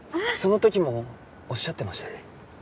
その時もおっしゃってましたね。